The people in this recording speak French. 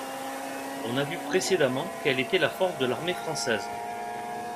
On a vu précédemment quelle était la force de l'armée française.